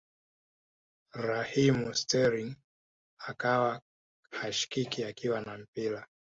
Raheem Sterling akawa hashikiki akiwa na mpira